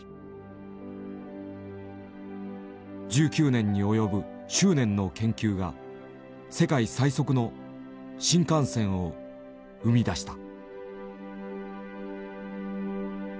１９年に及ぶ執念の研究が世界最速の新幹線を生み出した。